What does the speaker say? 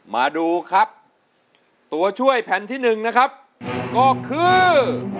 มาดูครับตัวช่วยแผ่นที่๑นะครับก็คือ